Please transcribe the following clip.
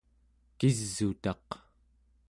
kis'utaq